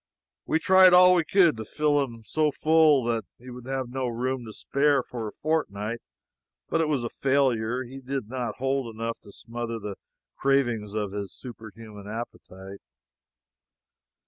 We tried all we could to fill him so full that he would have no room to spare for a fortnight, but it was a failure. He did not hold enough to smother the cravings of his superhuman appetite.